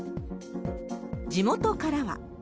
地元からは。